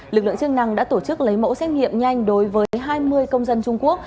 lực lượng chức năng đã tổ chức lấy mẫu xét nghiệm nhanh đối với hai mươi công dân trung quốc